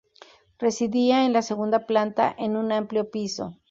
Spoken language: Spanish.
Residía en la segunda planta en un amplio piso.